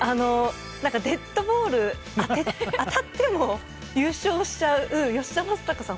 デッドボール当たっても優勝しちゃう吉田正尚さん